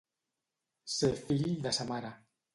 Ser fill de sa mare.